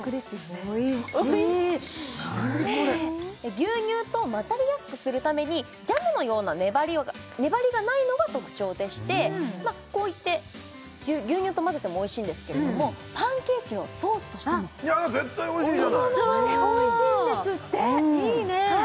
牛乳と混ざりやすくするためにジャムのような粘りがないのが特徴でしてこうやって牛乳と混ぜてもおいしいんですけれどもパンケーキのソースとしても絶対おいしいじゃないおいしいんですっていいね